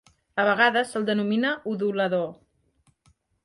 A vegades se'l denomina udolador.